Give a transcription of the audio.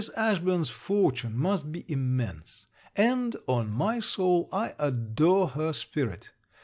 Ashburn's fortune must be immense; and, on my soul, I adore her spirit.